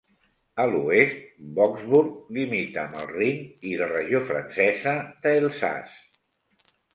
A l'oest, Vogtsburg limita amb el Rin i la regió francesa de Elsass.